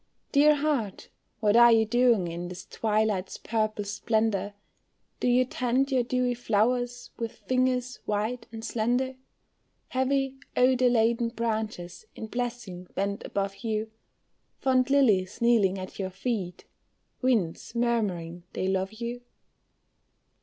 Dear heart, what are you doing in this twilight's purple splendor, Do you tend your dewy flowers with fingers white and slender, Heavy, odor laden branches in blessing bent above you, Fond lilies kneeling at your feet, winds murmuring they love you?